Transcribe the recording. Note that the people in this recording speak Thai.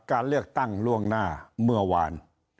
การเลือกตั้งล่วงหน้าเมื่อวาน